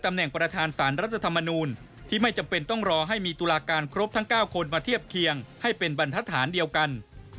แหน่งประธานสารรัฐธรรมนูลที่ไม่จำเป็นต้องรอให้มีตุลาการครบทั้ง๙คนมาเทียบเคียงให้เป็นบรรทัศน์เดียวกัน